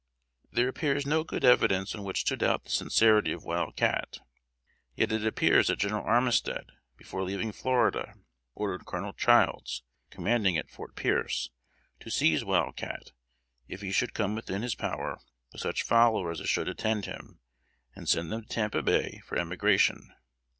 There appears no good evidence on which to doubt the sincerity of Wild Cat; yet it appears that General Armistead, before leaving Florida, ordered Colonel Childs, commanding at Fort Pearce, to seize Wild Cat, if he should come within his power, with such followers as should attend him, and send them to Tampa Bay for emigration.